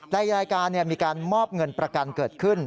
ในรายการมีการมอบเงินประกันเกิดขึ้น